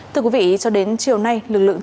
thưa quý vị cho đến chiều nay